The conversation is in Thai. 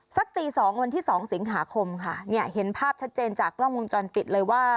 สักตีสองวันที่สองสิงหาคมค่ะเนี่ยเห็นภาพชัดเจนจากกล้องวงจรปิดเลยว่า